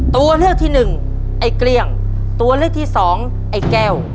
ตัวเลือกที่หนึ่งไอ้เกลี้ยงตัวเลือกที่สองไอ้แก้ว